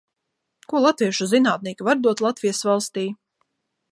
Ko latviešu zinātnieki var dot Latvijas valstij?